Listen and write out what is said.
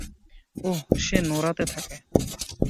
ওহ, সে নোরাতে থাকে।